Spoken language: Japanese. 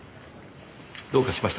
どうかしましたか？